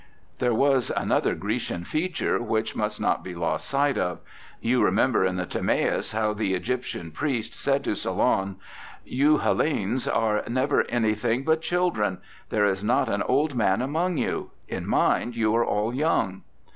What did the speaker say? There was another Grecian feature which must not be lost sight of. You remember in the Tiinaciis how the Egyptian Priest said to Solon :' You Hellenes are never an3'thing but children ; there is not an old man among you ... in mind you are all 3'oung.'